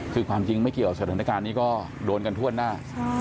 คือความจริงไม่เกี่ยวสถานการณ์นี้ก็โดนกันทั่วหน้า